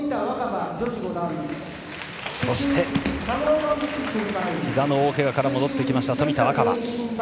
そして、ひざの大けがから戻ってきました冨田若春。